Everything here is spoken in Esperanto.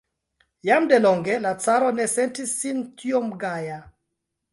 Jam de longe la caro ne sentis sin tiom gaja.